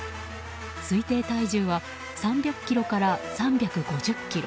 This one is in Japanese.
推定体重は３００ｋｇから３５０ｋｇ。